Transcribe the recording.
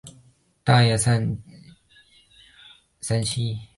大叶三七为五加科人参属假人参的变种。